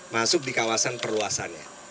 masuk di kawasan perluasannya